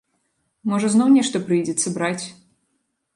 Можа зноў нешта прыйдзецца браць?